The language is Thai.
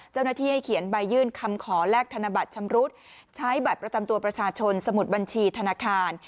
ให้เขียนใบยื่นคำขอแลกธนบัตรชำรุดใช้บัตรประจำตัวประชาชนสมุดบัญชีธนาคาร